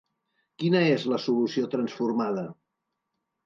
Quina és la solució transformada?